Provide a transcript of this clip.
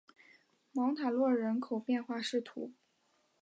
芒塔洛人口变化图示